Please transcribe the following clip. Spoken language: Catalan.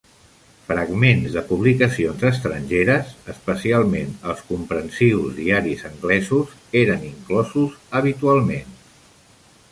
Fragments de publicacions estrangeres, especialment els comprensius diaris anglesos, eren inclosos habitualment.